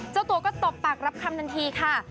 เจ้าตัวก็ตบปากรับคำทันทีค่ะ